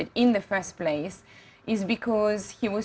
dan alasan dia ditangkap di awal